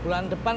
udah nih bang